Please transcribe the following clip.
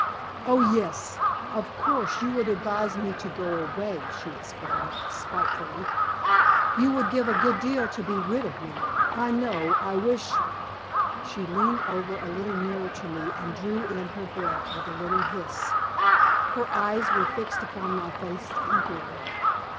"Oh, yes! of course you would advise me to go away," she exclaimed, spitefully. "You would give a good deal to be rid of me. I know. I wish " She leaned over a little nearer to me, and drew in her breath with a little hiss. Her eyes were fixed upon my face eagerly.